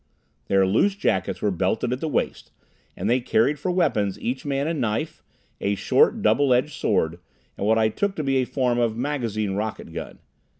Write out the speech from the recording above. Their loose jackets were belted at the waist, and they carried for weapons each man a knife, a short double edged sword and what I took to be a form of magazine rocket gun.